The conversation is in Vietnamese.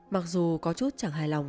mặc dù có chút chẳng hài lòng